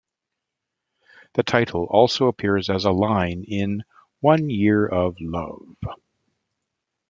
The title also appears as a line in "One Year of Love".